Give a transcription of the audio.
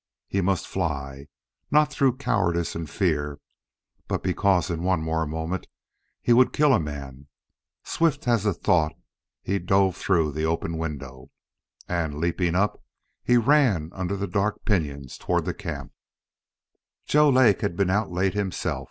He must fly not through cowardice and fear, but because in one more moment he would kill a man. Swift as the thought he dove through the open window. And, leaping up, he ran under the dark pinyons toward camp. Joe Lake had been out late himself.